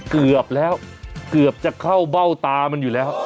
เกือบแล้วเกือบจะเข้าเบ้าตามันอยู่แล้ว